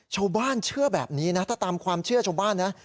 ชาวบ้านเชื่อแบบนี้นะถ้าตามความเชื่อชาวบ้านนะ